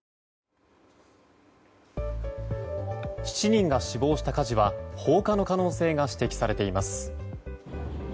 ７人が死亡した火事は放火の可能性が指摘されています。